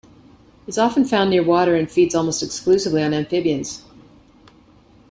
It is often found near water and feeds almost exclusively on amphibians.